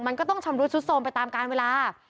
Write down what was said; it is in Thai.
มันก็ต้องชำรุดซุดโทรมไปตามการเวลา